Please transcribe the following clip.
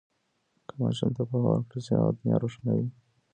که ماشوم ته پوهه ورکړل شي، هغه دنیا روښانوي.